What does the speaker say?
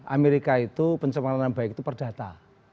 amerika itu pencemaranan baik itu perdata